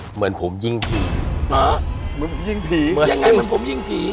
เหมือนผมยิงผีหมาเหมือนผมยิงผีเหมือนยังไงเหมือนผมยิงผี